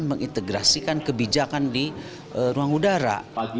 dan mengintegrasikan kebijakan di ruang udara